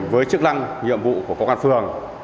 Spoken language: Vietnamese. với chức năng nhiệm vụ của cơ quan phường